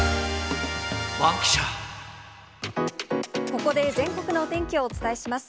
ここで全国のお天気をお伝えします。